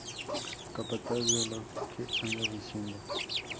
Capataz: De lo que anda diciendo.